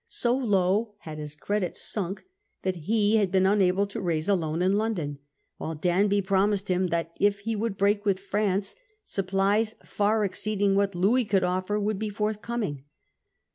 So low had his credit sunk that he had been unable to raise a loan in London ; while Dan by promised him that, if he would break with France, supplies far exceeding what Louis could offer would be forthcoming.